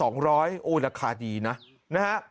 โอ้โหราคาดีนะนะฮะ